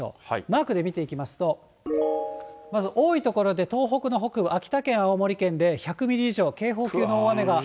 マークで見ていきますと、まず多い所で東北の北部、秋田県、青森県で１００ミリ以上、警報級の大雨が。